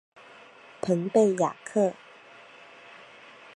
蓬佩雅克。